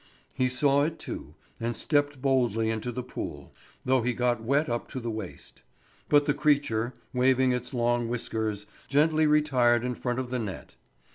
He saw it too, and stepped boldly into the pool, though he got wet up to the waist. But the creature, waving its long whiskers, gently retired in front of the net.